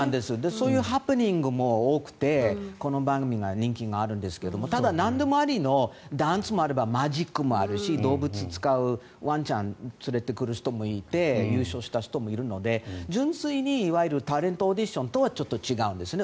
そういうハプニングも多くてこの番組が人気があるんですがただ、なんでもありのダンスもあればマジックもあるし動物を使うワンちゃんを連れてくる人もいて優勝した人もいるので純粋に、いわゆるタレントオーディションとはちょっと違うんですね。